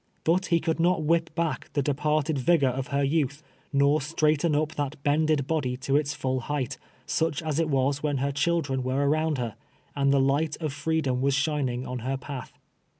But he could not whip back the de parted vigor of her youth, nor straighten up that bend ed body to its full height, such as it was when her children were around her, and the light of freedom was shining on her path.